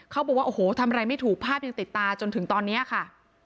เขาบอกว่าโอ้โหทำอะไรไม่ถูกภาพยังติดตาจนถึงตอนนี้ค่ะ